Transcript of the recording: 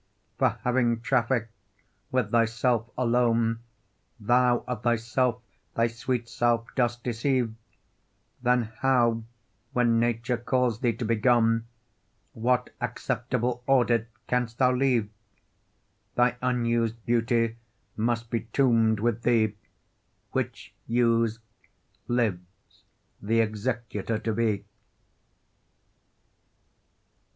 For having traffic with thyself alone, Thou of thyself thy sweet self dost deceive: Then how when nature calls thee to be gone, What acceptable audit canst thou leave? Thy unused beauty must be tombed with thee, Which, used, lives th' executor to be.